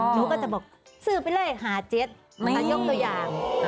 หนูก็จะบอกซื้อไปเลยหาเจ็ดยกตัวอย่าง